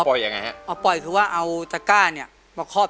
ก็ไอ้เจ้าจูเนี่ยเหรอครับ